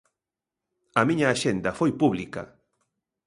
A miña axenda foi pública.